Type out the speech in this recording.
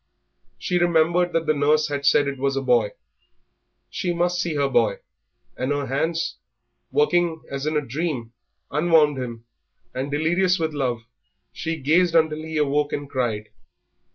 She remembered that the nurse had said it was a boy. She must see her boy, and her hands, working as in a dream, unwound him, and, delirious with love, she gazed until he awoke and cried.